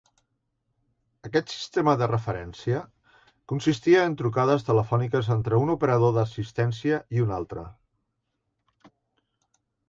Aquest "sistema de referència" consistia en trucades telefòniques entre un operador d'assistència i un altre.